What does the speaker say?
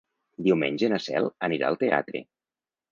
Diumenge na Cel anirà al teatre.